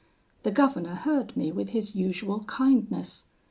The governor heard me with his usual kindness.